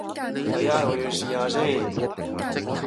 第一，我要試吓先